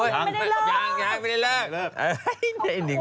ยังยังไม่ได้เลิก